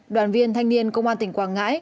đoàn viên thanh niên công an tỉnh quảng ngãi